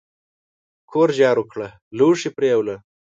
کور جارو کړه لوښي پریوله !